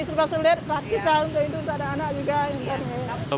supra sulit praktis lah untuk hidup untuk anak juga